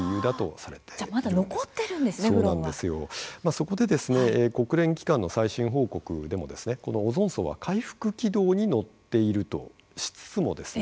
そこでですね国連機関の最新報告でもですねこのオゾン層は回復軌道に乗っているとしつつもですね